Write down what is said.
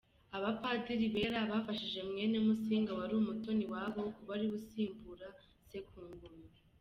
Abapadiri bera bafashije mwene Musinga wari umutoni iwabo kuba ariwe usimbura se ku Ngoma.